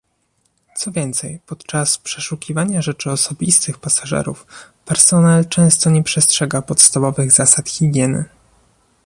Co więcej, podczas przeszukiwania rzeczy osobistych pasażerów personel często nie przestrzega podstawowych zasad higieny